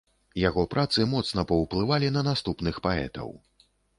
Яго працы моцна паўплывалі на наступных паэтаў.